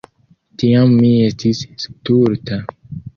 Tiam mi estis stulta.